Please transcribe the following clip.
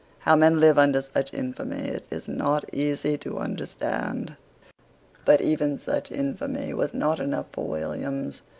How men live under such infamy it is not easy to understand: but even such infamy was not enough for Williams.